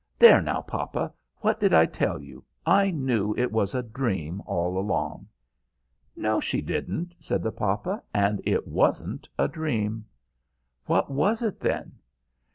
"There now, papa, what did I tell you? I knew it was a dream all along." "No, she didn't," said the papa; "and it wasn't a dream." "What was it, then?"